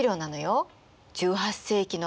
１８世紀の初め